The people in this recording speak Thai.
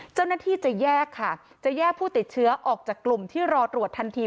เจ้าหน้าที่จะแยกค่ะจะแยกผู้ติดเชื้อออกจากกลุ่มที่รอตรวจทันที